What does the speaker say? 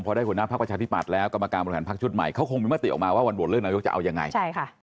พอได้หัวหน้าภาคประชาธิบัตรแล้วกรรมการบริหารภาคชุดใหม่เขาคงมีมาติออกมาว่าวันบวชเรื่องนายกจะเอายังไง